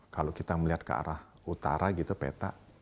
kalau kita melihat ke arah utara gitu peta